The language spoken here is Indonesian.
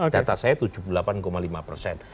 data saya tujuh puluh delapan lima persen